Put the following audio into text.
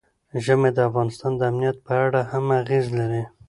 ژمی د افغانستان د امنیت په اړه هم اغېز لري.